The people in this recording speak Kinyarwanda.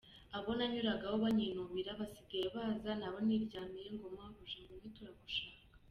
Abo nanyuragaho banyinubira basigaye baza naba niryamiye ngo mabuja, ngwino turagushaka.